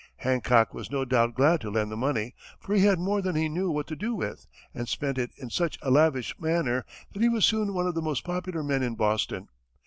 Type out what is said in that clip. Hancock was no doubt glad to lend the money, for he had more than he knew what to do with, and spent it in such a lavish manner that he was soon one of the most popular men in Boston.